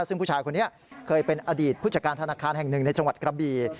ซึ่งผู้ชายคนนี้เคยเป็นอดีตผู้จัดการธนาคารแห่งหนึ่งในจังหวัดกระบี